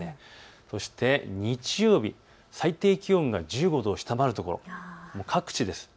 そして日曜日、最低気温が１５度を下回るところ、各地です。